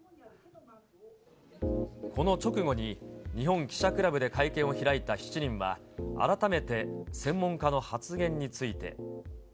この直後に、日本記者クラブで会見を開いた７人は、改めて専門家の発言について。